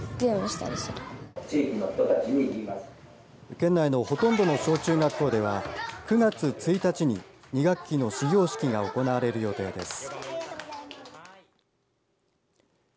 県内のほとんどの小中学校では９月１日に２学期の始業式が行われる予定です。